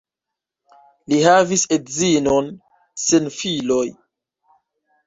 Li havis edzinon sen filoj.